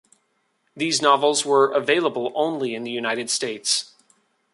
These novels were available only in the United States.